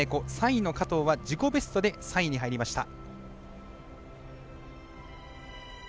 ３位の加藤は自己ベストで３位に入りました。